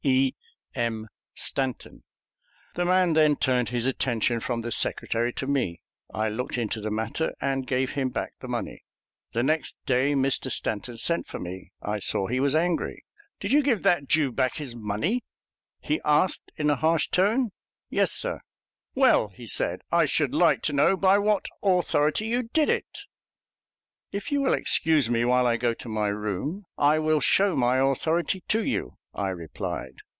E. M. STANTON. The man then turned his attention from the Secretary to me. I looked into the matter, and gave him back the money. The next day Mr. Stanton sent for me. I saw he was angry. "Did you give that Jew back his money?" he asked in a harsh tone. "Yes, sir." "Well," he said, "I should like to know by what authority you did it." "If you will excuse me while I go to my room, I will show my authority to you," I replied.